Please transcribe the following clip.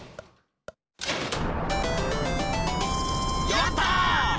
やった！